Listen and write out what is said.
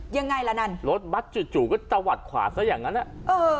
ยังไงละนั้นรถบัดจู่ก็ตะวัดขวาซะแห่งนั้นเออ